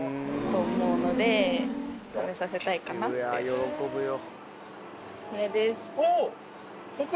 喜ぶよ。